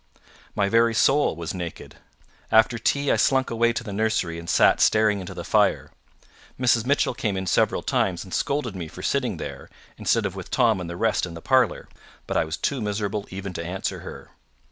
My very soul was naked. After tea I slunk away to the nursery, and sat staring into the fire. Mrs. Mitchell came in several times and scolded me for sitting there, instead of with Tom and the rest in the parlour, but I was too miserable even to answer her.